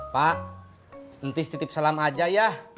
pak nanti setitip salam aja ya